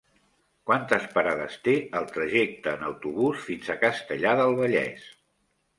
Quantes parades té el trajecte en autobús fins a Castellar del Vallès?